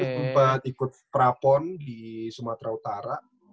jadi aku berkumpul ikut prapon di sumatera utara